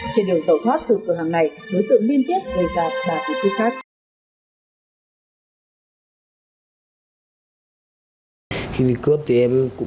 trên đường tẩu thoát từ cửa hàng này đối tượng liên tiếp gây ra ba ký cướp khác